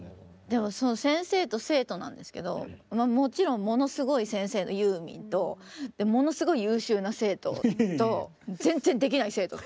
でも先生と生徒なんですけどもちろんものすごい先生のユーミンとものすごい優秀な生徒と全然できない生徒。